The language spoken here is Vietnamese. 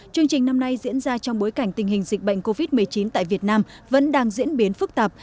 chương trình năm nay diễn ra trong bối cảnh tình hình dịch bệnh covid một mươi chín tại việt nam vẫn đang diễn biến phức tạp